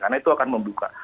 karena itu akan membuka